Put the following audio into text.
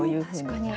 確かに。